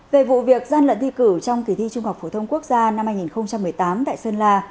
về vụ việc gian lận thi cử trong kỳ thi trung học phổ thông quốc gia năm hai nghìn một mươi tám tại sơn la